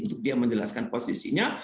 untuk dia menjelaskan posisinya